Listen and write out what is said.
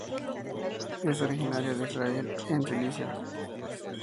Es originaria de Israel y en Sicilia.